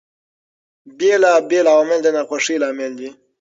بېلابېل عوامل د ناخوښۍ لامل دي.